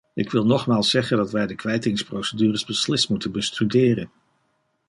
Ik wil nogmaals zeggen dat wij de kwijtingsprocedures beslist moeten bestuderen.